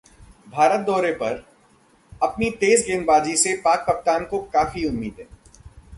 भारत दौरे पर अपने तेज गेंदबाजों से पाक कप्तान को काफी उम्मीदें